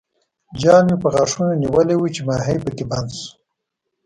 جال مې په غاښونو نیولی وو چې ماهي پکې بند شو.